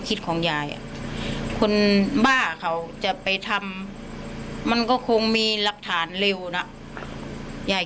คิดของยายคนบ้าเขาจะไปทำมันก็คงมีหลักฐานเร็วนะยาย